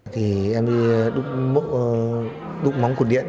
thì em đi đụng móng của điện